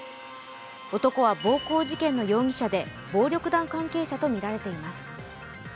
男は暴行事件の容疑者で暴力団関係者とみられています。